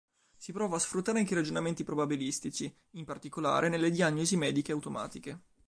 Si provò a sfruttare anche ragionamenti probabilistici, in particolare nelle diagnosi mediche automatiche.